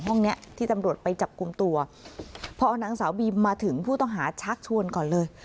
เนี้ยที่ตำรวจไปจับกลุ่มตัวพอนางสาวบีมมาถึงผู้ต้องหาชักชวนก่อนเลย